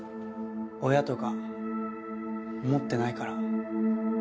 親とか思ってないから。